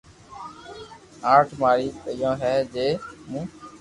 آٺ ماري ٻينو ھي جي مون